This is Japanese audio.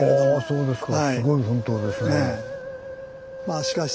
そうですか。